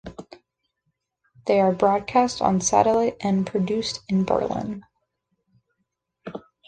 They are broadcast on satellite and produced in Berlin.